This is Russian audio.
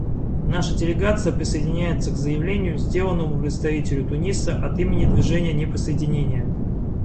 Наша делегация присоединяется к заявлению, сделанному представителем Туниса от имени Движения неприсоединения.